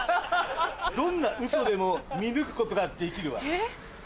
どんなウソでも見抜くことができるわ。